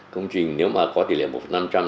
công trình nếu mà có tỷ lệ một năm